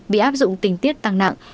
bị áp dụng tình tiết tăng nặng